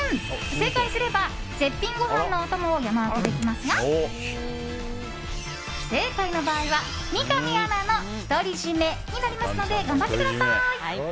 正解すれば絶品ご飯のお供を山分けできますが不正解の場合は三上アナの独り占めになりますので頑張ってください。